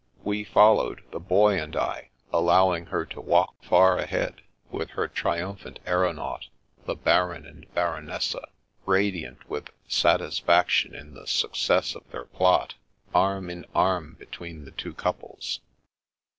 We followed, the Boy and I, allowing her to walk far ahead, with her triumphant aeronaut, the Baron and Baronessa, radiant with satisfaction in the success of their plot, arm in arm between the two couples.